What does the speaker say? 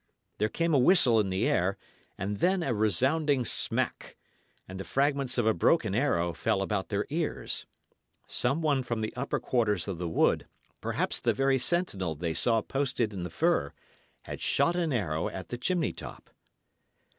There came a whistle in the air, and then a sounding smack, and the fragments of a broken arrow fell about their ears. Some one from the upper quarters of the wood, perhaps the very sentinel they saw posted in the fir, had shot an arrow at the chimney top.